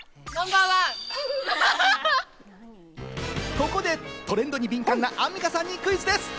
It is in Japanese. ここでトレンドに敏感なアンミカさんにクイズです。